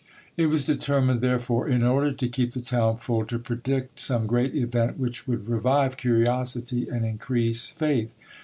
It was determined, therefore, in order to keep the town full, to predict some great event which would revive curiosity and increase faith.